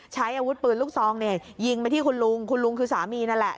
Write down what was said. ใช้อาวุธปืนลูกซองเนี่ยยิงไปที่คุณลุงคุณลุงคือสามีนั่นแหละ